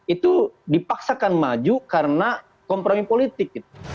itu dipaksakan maju karena kompromi politik